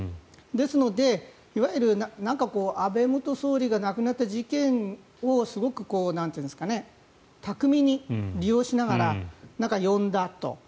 ですので、いわゆる安倍元総理が亡くなった事件をすごく巧みに利用しながら呼んだと。